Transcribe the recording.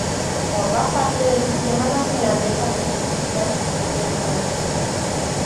Forma parte del Sistema Nacional de Fomento Musical del Conaculta.